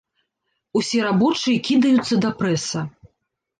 Усе рабочыя кідаюцца да прэса.